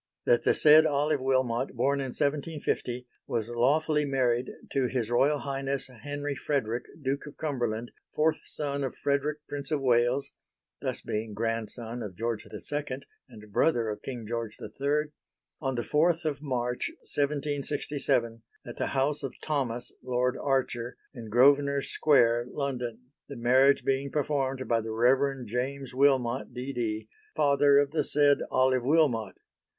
That the said Olive Wilmot, born in 1750, was lawfully married to His Royal Highness Henry Frederick, Duke of Cumberland, fourth son of Frederick Prince of Wales (thus being grandson of George II and brother of King George III), on 4 March 1767, at the house of Thomas, Lord Archer, in Grosvenor Square, London, the marriage being performed by the Rev. James Wilmot D. D., father of the said Olive Wilmot.